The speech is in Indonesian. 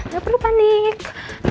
gak perlu panik